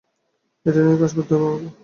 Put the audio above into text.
এটা নিয়ে কাজ করতে হবে আমাকে।